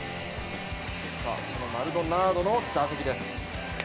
そのマルドナードの打席です。